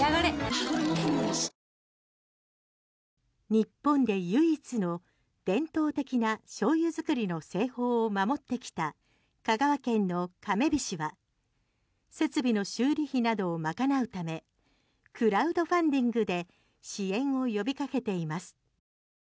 日本で唯一の伝統的なしょうゆ作りの製法を守ってきた香川県のかめびしは設備の修理費などを賄うためクラウドファンディングで支援を呼びかけています。